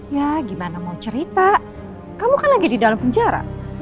ya gimana mau cerita kamu kan lagi di dalam penjara